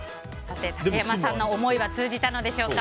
竹山さんの思いは通じたのでしょうか。